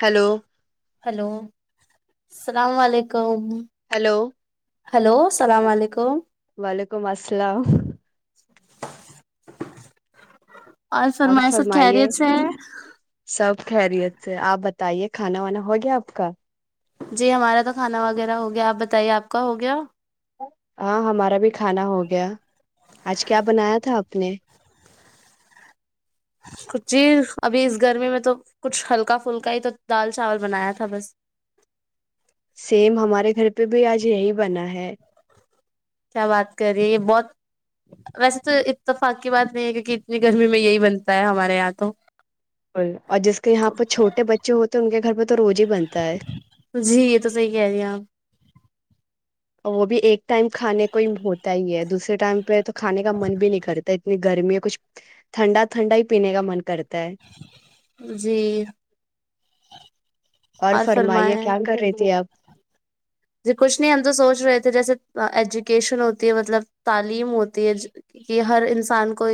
hello [unintelligible] hello السلام علیکم hello hello اللام علیکم وعلیکم السلام [unintelligible] [inaudible] اور فرمائ سب خیریت سے ہے سب خیریت سے آپ بتائیے کھانا وانا ہو گیا آپ کا جی ہمارا تو کھانا وغیرہ ہو گیا آپ بتائیے آپ کا ہو گیا ہاں ہمارا بھی کھانا ہو گیا آج کیا بنایا تھا آپ نے کچ جی ابھی اس گرمی میں تو کچھ ہلکا پھلکا ہی تو دال چاول بنایا تھا بس سیم ہمارے گھر پہ بھی آج یہی بنا ہے کیا بات کر رہی ہے یہ بہت ویسے تو اتفاق کی بات نہیں ہے کیونکہ اتنی گرمی میں یہی بنتا ہے ہمارے یہاں تو اور جس کے یہاں پہ چھوٹے بچے ہوتے ہیں ان کے گھر پہ تو روز ہی بنتا ہے جی یہ تو صحیح کہہ رہی ہیں آپ وہ بھی ایک ٹائم کھانے کو ہی ہوتا ہی ہے دوسرے ٹائم پہ تو کھانے کا من بھی نہیں کرتا اتنی گرمی ہے کچھ ٹھنڈا ٹھنڈا ہی پینے کا من کرتا ہے جی اور فرمائیے کیا کر رہی تھی اب ج کچھ نہیں ہم تو سوچ رہے تھے جیسے ایجوکیشن ہوتی ہے مطلب تعلیم ہوتی ہے کہ ہر انسان کو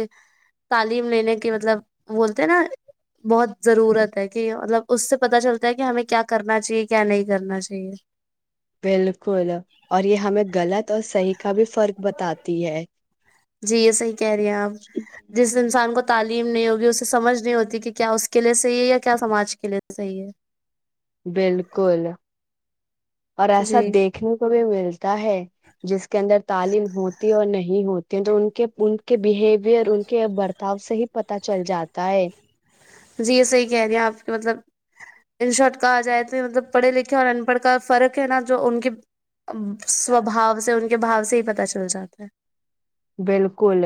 تعلیم لینے کی مطلب بولتے ہیں نا بہت ضرورت ہے کہ مطلب اس سے پتہ چلتا ہے کہ ہمیں کیا کرنا چاہیے کیا نہیں کرنا چاہے بالکل اور یہ ہمیں غلط اور صحیح کا بھی فرق بتاتا تی ہے [unintelligible] جی یہ صحیح کہہ رہی ہیں آپ جس انسان کو تعلیم نہیں ہوگی اسے سمجھ نہیں ہوتی کہ کیا اس کے لیے صحیح ہے یا کیا سماج کے لیے صحیح ہے بالکل اور ایسا جی دیکھنے کو بھی ملتا ہے جس کے اندر تعلیم ہوتی اور نہیں ہوتی تو ان کے ان کے بہیویئر ان کے برتاؤ سے ہی پت چل جاتا ہے جی یہ صحیح کہہ رہی ہیں آپ کے مطلب ان شارٹ کہا جائے تو مطلب پڑھے لکھے اور ان پڑھ کا فرق ہے نا جو ان کے سوبا سے ان کے کے بھا سے ہی پتا چل جاتا ہے بالکل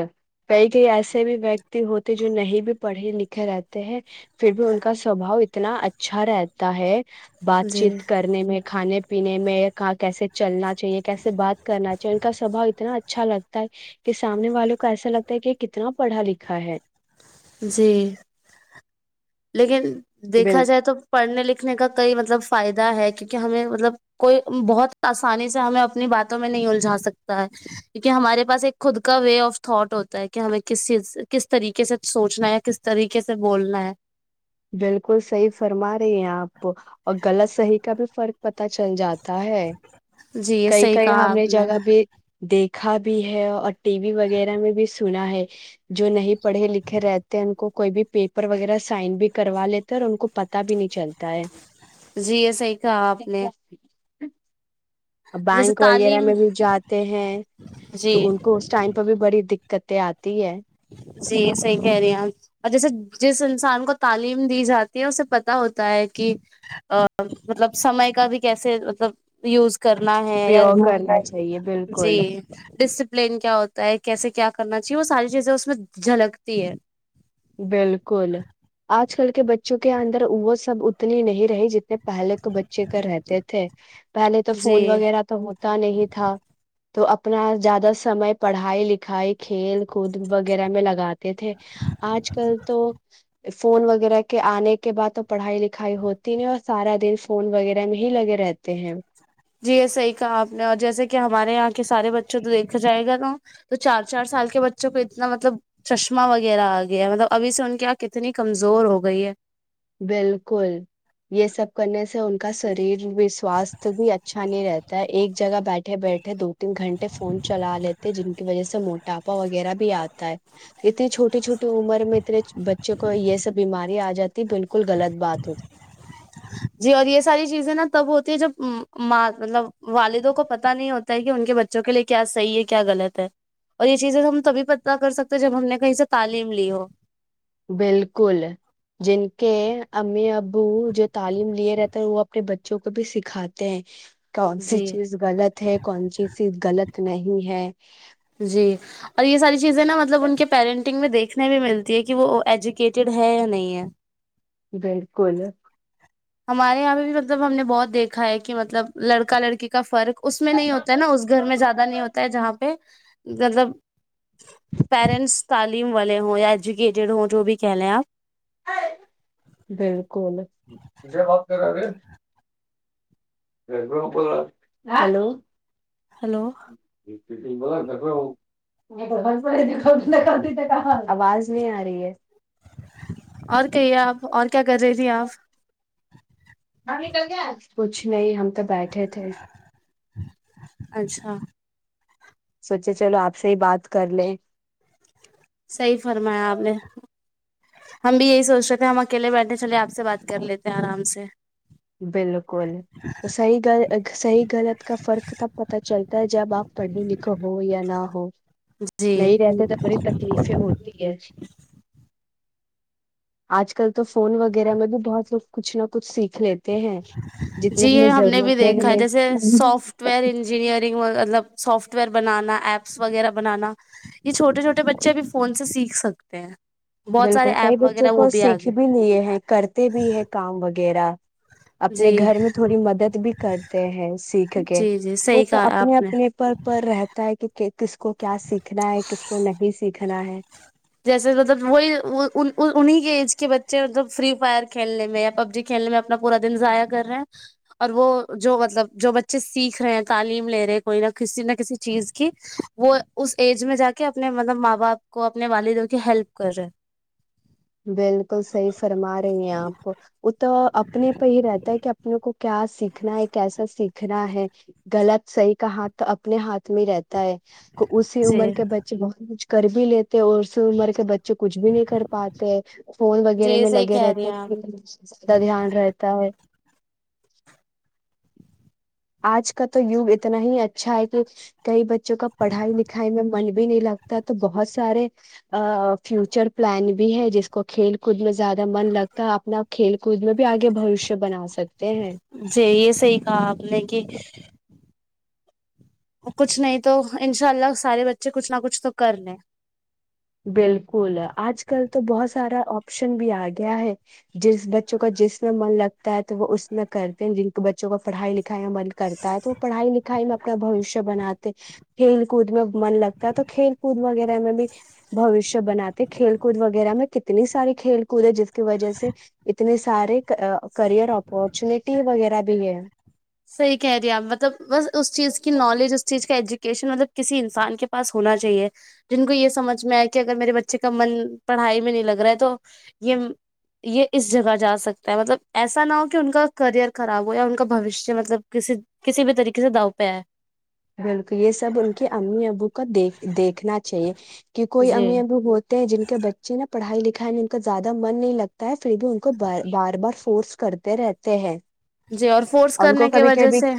کئی کئی ایسے بھی ویکتی ہوتے جو نہیں بھی پڑھی لکھ گھر آتے ہیں پھر بھی ان کا سوبا اتنا اچھا رہتا ہے ہے بات جی چیت کرنے میں کھانے پینے میں کہاں کیسے چلنا چاہیے کیسے بات کرنا چاہیے ان کا سوبھؤ اتنا اچھا لگتا ہے کہ سامنے والوں کو ایسا لگتا ہے کہ کتنا پڑھا لکھا ہے جی لیکن بال دیکھا جائے تو پڑھنے لکھنے کا کئی مطلب فائدہ ہے کیونکہ ہمیں مطلب کوئی بہت آسانی سے ہمیں اپنی باتوں میں نہیں الجھا سکتا ہے کیونکہ ہمارے پاس ایک خود کا وے آف تھاٹ ہوتا ہے کہ ہمیں کس چیز کس طریقے سے سوچنا ہے یا کس طریقے سے بولنا ہے بالکل صحی فرما رہی ہیں آپ اور غلط صحیح کا بھی فرق پتا پ چل جاتا ہے جی یہ کئی صحیح کئی کہا آپ ہمیں نے جگہ بھی دیکھا بھی ہے اور ٹی وی وغیرہ میں بھی سنا ہے جو نہیں پڑھے لکھے رہتے ان کو کوئی بھی پیپر وغیرہ سائن بھی کروا لیتے اور ان کو پتا بھی نہیں چلتا ہے جی یہ صحیح کہا آپ نے ا [inaudible] جیسے بینک وغیرہ تعلیم میں بھی جاتے ہیں جی تو ان کو اس ٹائم پہ بھی بڑی د کتے آتی ہے جی صحیح کہہ رہی ہیں اور جیسے جس انسان کو تعلیم دی جاتی ہے اسے پتا ہوتا ہے کہ مطلب سمے کا بھی کیسے مطلب یوز کرنا ہے یا پیور کرنا چاہیے جی بالکل ڈسپ لین کیا ہوتا ہے کیسے کیا کرنا چاہیے وہ ساری جیسے اس میں جھلکتی ہے بالکل آج کل کے بچوں کے اندر وہ سب اتنی نہیں رہی جتنی پہلے تو بچے کا رہتے تھے پہلے تو جی فون وغیرہ تو ہوتا نہیں تھا تو اپنا زیادہ سمے پڑھائی لکھائی کھیل کود وغیرہ میں لگاتے تھے آج کل تو [unintelligible] فون وغیرہ کے آنے کے بعد تو پڑھائی لکھائی ہوتی نہیں اور سارا دن فون وغیرہ میں ہی لگے رہتے ہیں جی یہ صحیح کہا آپ نے اور جیسے کہ ہمارے یہاں کے سارے بچوں تو دیکھا جائے گا نا تو چار چار سال کے بچوں کو اتنا مطلب چشمہ وغیرہ آ گیا ہے مطلب ابھی سے ان کی آنکھ اتنی کمزور ہو گئی ہے بالکل یہ سب کرنے سے ان کا شریر سواستھ بھی اچھا نہیں رہتا ایک جگہ بیٹھے بیٹھے دو تین گھنٹے فون چلا لیتے جن کی وجہ سے موٹاپا وغیرہ بھی آتا ہے اتنی چھوٹی چھوٹی عمر میں اتنے بچوں کو یہ سب بیماری آ جاتی بالکل غلط بات ہو جی اور یہ ساری چیزیں نا تب ہوتی ہے جب ماں مطلب والدوں کو پتا نہیں ہوتا ہے کہ ان کے بچوں کے لیے کیا صحیح ہے کیا غلط ہے اور یہ چیزیں ہم تبھی پت کر سکتے جب ہم نے کہیں سے تعلیم لی ہو بالکل جن کے امی ابو جو تعلیم لیے رہتے ہے وہ اپنے بچوں کو بھی سکھاتے ہیں کون سی جی چیز غلط ہے کون سی چیز غلط نہیں ہے [unintelligible] جی اور یہ ساری چیزیں نا مطلب ان کے پیرنٹنگ میں دیکھنے بھی ملتی ہے کہ وہ ایجوکیٹیڈ ہے یا نہیں ہے بالکل [unintelligible] ہمارے یہاں پہ بھی مطلب ہم نے بہت دیکھا ہے کہ مطلب لڑکا لڑکی کا فرق اس میں نہیں ہوتا ہے نا اس گھر میں زیادہ نہیں ہوتا ہے جہاں پہ مطلب پیرنٹس تعال والے ہوں یا ایجوکیٹیڈ ہوں جو بھی کہہ لیں آپ بالکل [unintelligible] جے بات کرا گے [unintelligible] ہلو [unintelligible] ہلو آواز نہیں آ رہی ہے اور کہیے آپ اور کیا کر رہی تھھی آپ مے کل کیا [unintelligible] کچھ نہیں ہم تو بیٹھے تھے اچھا سوچے چلو آپ سے ہی بات کر لیں سی فرمیا آ نے ہم بھی یہی سوچ رہے تھے ہم اکیلے بیٹھے چلے آپ سے بات کر لیتے ہیں آرام سے بالکل تو صحیح صحیح غلط کا فرق تب پت چلتا ہے جب آپ پڑھنے لک ہو یا نہ ہو جی نہیں رہتے تو بی تکلیفیں ہوتی ہے آج کل تو فون وغیرہ میں بھی بہت لوگ کچھ نہ کچھ سیکھ لیتے ہیں جتنی جی ہمیں یہ ہم نے بھی ضرورت دیکھا ہے ہمیں جیسے سافٹ ویئر انجینئرنگ مطلب سافٹ ویئر بنانا ایپس وغیرہ بنانا یہ چھوٹے چھوٹے بچے ا بھی فون سے سیکھ سکتے ہیں بہت سارے بالکل کئی ایپ بچوں وغیرہ وہ کو آ سیکھ بھی گئے لیے ہیں کرتے بھی ہے کام وغیرہ اپنے جی گھر میں تھوڑی مدد بھی کرتے ہیں سیکھ کے جی جی وہ صحیح تو کہا اپنے آپ نے اپنے پر پر رہتا ہے کہ کس کو کیا سیکھنا ہے کس کو نہیں سیکھنا نا ہے جیسے مطلب وہی انہیں کے ایج کے بچے مطلب فری فائر کھیلنے میں یا پب جی کھیلنے میں اپنا پورا دن ضائع کر رہے ہیں اور وہ جو مطلب جو بچے سیکھ رہے ہیں تعلیم لے رہے کوئی نہ کسی نہ کسی چیز کی وہ اس ایج میں جا کے اپنے مطلب ماں باپ کو اپنے والدوں کی ہیلپ کر رہے بالکل صحی فرما رہی ہیں آپ تو اپنے پہ ہی رہتا ہے کہ اپنے کو کیا سیکھنا ہے کیسا سیکھنا ہے غلط صحیح کا ہاتھ اپنے ہاتھ میں رہتا تا ہے تو اسی جی عمر کے بچے بہت مچھ کر بھی لیتے اور سےر کے بچ چ کچھ بھی نہیں کر پاتا فون وغیرہ جی میں صحیح لگے کہہ رہی رہتے آپ ہیں زیادہ دھیان رہتا ہے [inaudible] آج کا تو یوگ اتنا ہی اچھا ہے کہ کئی بچ بچوں کا پڑھائی لکھائی میں من بھی بھی نہیں لگتا تو بہت سارے فیوچر پلان بھی ہے جس کو کھیل کود میں زیادہ من لگتا ہے اپنا کھیل کود میں بھی آگے بوشیہ بنا سکتے ہیں جی یہ صحیح کہا آپ [inaudible] کچھ نہیں تو انشاء اللہ سارے بچے کچھ نہ کچھ تو کر لیں بالکل آج کل تو بہت سارا آپشن بھی آ گیا ہے جس بچوں کا جس میں من لگتا ہے تو وہ اس میں کرتے ہیں جن کے بچوں کا پڑھائی لکھائی میں من کرتا ہے تو وہ پڑھائی لکھائی میں اپنا بوشیہ بناتے کھیل کود میں من لگتا ہے تو کھیل کود وغیرہ میں بھی بوشیہ بناتے کھیل کود وغیرہ میں کتنی ساری کھیل کود ہے جس کی وجہ سے اتنے سارے کریئر اپورچونیٹی وغیرہ بھی ہے صحی کہہ رہی آپ مطلب بس اس چیز کی نالج اس چیز کا ایجوک شن مطلب کسی انسان کے پاس ہونا چاہیے جن کو یہ سمجھ میں آئے کہ اگر میرے بچے کا من پڑھائی میں نہیں لگ رہا ہے تو یہ یہ اس جگہ جا سکتا ہے مطلب ایسا نہ ہو کہ ان کا کریئر خراب ہو یا ان کا بھوشیہ مطلب کسی کسی بھی طریقے سے دؤ پہ ہے بالکل یہ سب ان کی امی ابو دیک دیکھنا چاہیے کہ کوئی جی امی اب ہوتے ہیں جن کے بچے نا پڑھائی لکھائی دکھ ان کا زیادہ من نہیں لگتا ہے پھر بھی ان کو بار بار فورس کرتے رہتے ہیں جی اور فورس ان کو کرنے کی کبھی وجہ سے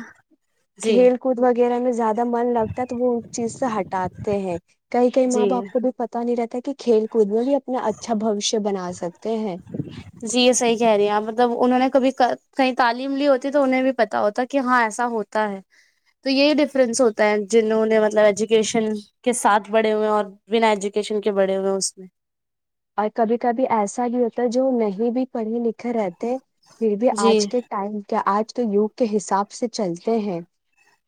جی وہ میں زیادہ من لگتا ہے تو وہ اس چیز سے ہٹاتے ہیں کہئی کئی ماں جی باپ کو بھی پتا نہیں رہتا ہے کہ کھیل کود میں بھی اپنا اچھا بوشیہ بنا سکتے ہیں جی یہ صحیح کہہ رہی ہیں آپ مطلب انہوں نے کبھی کہیں تعلیم لی ہوتی تو انہیں بھی پتتا ہوتا کہ ہاں ایسا ہوتا ہے تو یہی ڈفرینس ہوتا ہے جنوں نے مطلب ایجوکیشن کے ساتھ بڑے ہوئے ہیں اور بنا ایجوکیشن کے بڑے ہوئے ہیں اس میں یہ بھی پڑھے لکھے رہتے پھر بھی جی آج کے ٹائم کیا آج کے یوگ کے حساب سے چلتے ہیں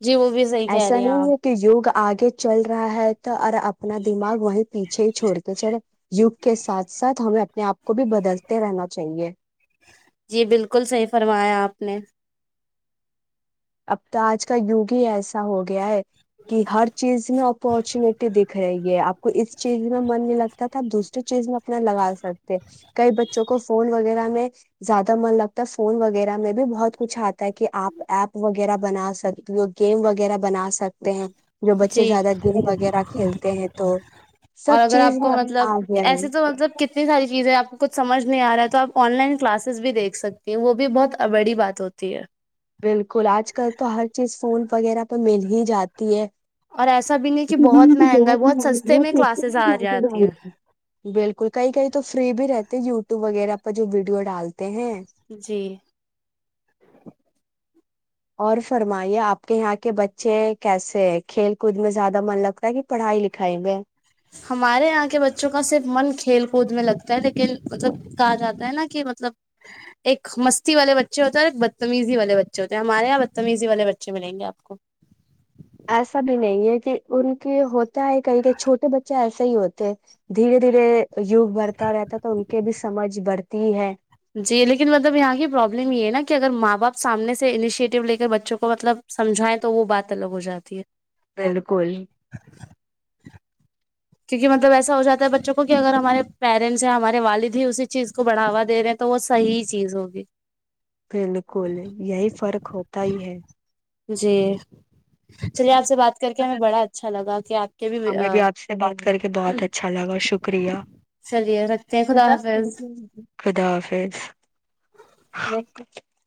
جی وہ بھی صحیح کہہ رہے ایسا ہیں نہیں آپ ہے کہ یوگ آگے چل رہا ہے تو اور اپنا دماغ وہیں پیچھے ہی چھوڑ کے چلے یوگ کے ساتھ ساتھ ہمیں اپنے آپ کو بھی بدلتے رہنا چاہیے جی بالکل صحیح فرمایا آپ نے اب تو آج کا یوگ ہی ایسا ہو گیا ہے کہ ہر چیز میں اپارچونیٹی دیکھا جائے گی یہ آپ کو اس چیز میں من نہیں لگتا تھا آپ دوسریے چیز میں اپنا لگا سکتے کئی بچوں کو فون وغیرہ میں زیادہ من لگتا ہے فون وغیرہ میں بھی بہت کچھ آتا ہے کہ آپ ایپ وغیرہ بنا سکتی ہو گیم وغیرہ بنا سکتے ہیں جو بچے جی زیادہ گیم وغیرہ کھیلتے ہیں تو سب اور اگر چیز آپ کو مطلب آ گیا ہے ایسے تو مطلب کتنی ساری چیزیں آپ کو کچھ سمجھ نہیں آ رہا ہے تو آپ آن لائن کلاسز بھی دیکھ سکتی ہیں وہ بھی بہت بڑی بات ہوتی ہے بالکل آج کل تو ہر چیز فون وغیرہ پہ مل ہی جاتی ہے اور ایسا بھی نہیں کہ بہت مہنگا ہے بہت سستے میں کلاسز آ جاتی ہیں ہیں بالکل کئی کئی تو فری بھی رہتے یوٹیوب وغیرہ پر جو ویڈیو ڈالتے ہیں جی اور فرمائیے آپ کے یہاں کے بچے کیسے کھیل کود میں زیادہ من لگتا ہے کہ پڑھائی لکھائی میں ہمارے یہاں کے بچوں کا صرف من کھیل کود میں لگتا ہو لیکن مطلب کہا جاتا ہے نا کہ مطلب ایک مستی والے بچے ہوتے ہیں اور ایک بدتمیزی والے بچے ہوتے ہیں ہمارے یہاں بدتمیزی والے بچے ملیں گے آپ کو ایسا بھی نہیں ہے کہ ان کے ہوتا ہے کہیں کہیں چھوٹے بچے ایسے ہی ہوتے دھیرے دھیرے یوگ بڑھتا رہتا ہے تو ان کے بھی سمجھ بڑھتی ہی ہے جی لیکن مطلب یہاں کی پرابلم یہ ہے نا کہ اگر ماں باپ سامنے سے انیشیٹو لے کر بچوں کو مطلب سمجھائیں تو وہ بات الگ ہو جاتی ہے بالکل کیونکہ مطلب ایسا ہو جاتا ہے بچوں کو کہ اگر ہمارے پیرنٹس ہیںیا ہمارے والد ہی اسی چیز کو بڑھوا دے رہے ہیں تو وہ صحیح چیز ہوگی بالکل یہی فرق ہوتا ہی ہے جی چلیے آپ سے بات کر کے ہمیں بڑا اچھا لگا کہ آپ کے بھی ہمیں آپ سے بات کر کے بہت اچھا لگا شکریہ چلیے رکھتے ہیں خدا حافظ خدا حافظ